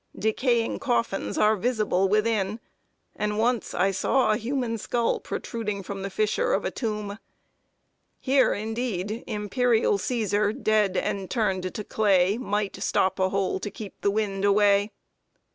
Decaying coffins are visible within; and once I saw a human skull protruding from the fissure of a tomb. Here, indeed, "Imperial Cæsar, dead, and turned to clay, Might stop a hole to keep the wind away."